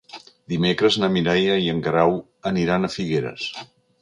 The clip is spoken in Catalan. Dimecres na Mireia i en Guerau aniran a Figueres.